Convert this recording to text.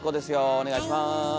お願いします。